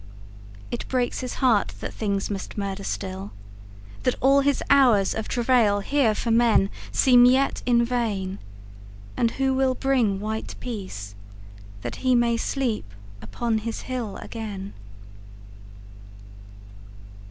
It breaks his heart that things must murder still, That all his hours of travail here for menSeem yet in vain. And who will bring white peaceThat he may sleep upon his hill again?